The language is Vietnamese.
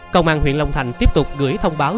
công an huyện long thành tiếp tục gửi thông báo